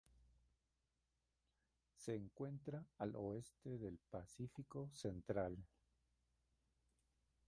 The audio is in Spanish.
Se encuentra al oeste del Pacífico central.